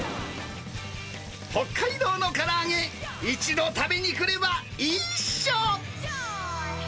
北海道のから揚げ、一度食べに来ればいいっしょ！